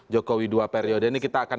jokowi dua periode ini kita akan